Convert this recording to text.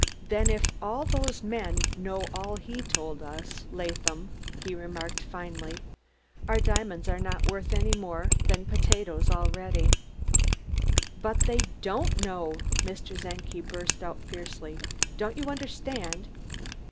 "Den if all dose men know all he has told us, Laadham," he remarked finally, "our diamonds are nod worth any more as potatoes alretty." "But they don't know," Mr. Czenki burst out fiercely. "Don't you understand?